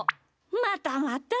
またまた。